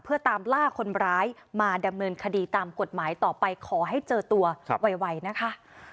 เพื่อตามล่าคนร้ายมาดำเนินคดีตามกฎหมายต่อไปขอให้เจอตัวไวนะคะ